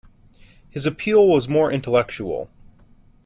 His appeal was more intellectual.